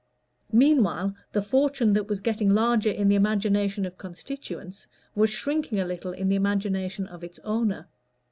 Meanwhile the fortune that was getting larger in the imagination of constituents was shrinking a little in the imagination of its owner.